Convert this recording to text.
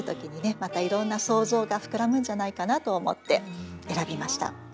またいろんな想像が膨らむんじゃないかなと思って選びました。